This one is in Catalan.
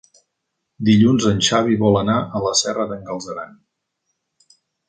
Dilluns en Xavi vol anar a la Serra d'en Galceran.